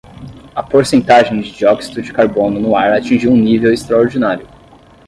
A porcentagem de dióxido de carbono no ar atingiu um nível extraordinário.